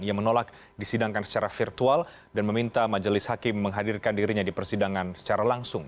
ia menolak disidangkan secara virtual dan meminta majelis hakim menghadirkan dirinya di persidangan secara langsung